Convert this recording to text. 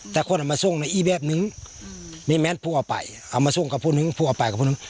แต่คนเอามาส่งเนี่ยอีแบบนึงมีแม้นพูดเอาไปเอามาส่งกับพูดนึงพูดเอาไปกับพูดนึง